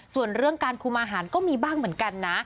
ส่วนเรื่องการคุมอาหารก็มีบ้างเหมือนกันนะ